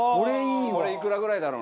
これいくらぐらいだろうな？